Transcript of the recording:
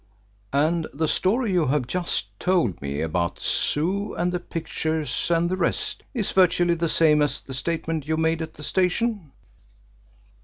"And the story you have just told me about the Zoo and the pictures and the rest is virtually the same as the statement you made at the station?"